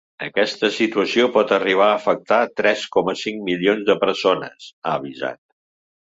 Aquesta situació pot arribar afectar tres coma cinc milions de persones, ha avisat.